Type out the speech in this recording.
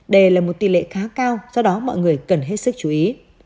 đây là một tỷ lệ khá cao do đó mọi người cần hết sức chú ý